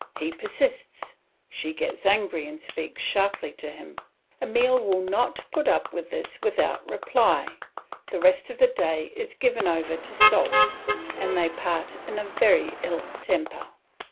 He persists, she gets angry and speaks sharply to him; Emile will not put up with this without reply; the rest of the day is given over to sulks, and they part in a very ill temper.